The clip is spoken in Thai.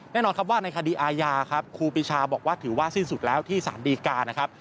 แน่นอนครับว่าในคดีอาญาครับครูปีชาบอกว่าถือว่าสิ้นสุดแล้วที่สารดีการนะครับ